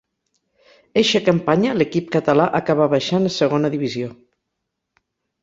Eixa campanya l'equip català acaba baixant a Segona Divisió.